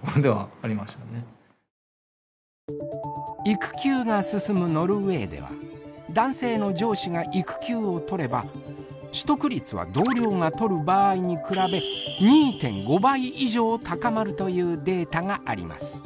育休取得が進むノルウェーでは男性の上司が育休を取れば取得率は同僚が取る場合に比べ２．５倍以上高まるというデータがあります。